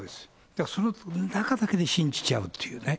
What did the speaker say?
だからその中だけで信じちゃうっていうね。